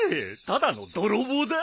ただの泥棒だ！